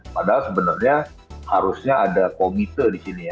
padahal sebenarnya harusnya ada komite di sini ya